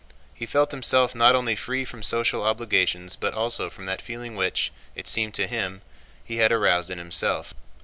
He felt himself not only free from social obligations but also from that feeling which, it seemed to him, he had aroused in himself.